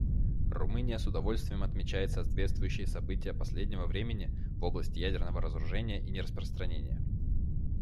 Румыния с удовлетворением отмечает соответствующие события последнего времени в области ядерного разоружения и нераспространения.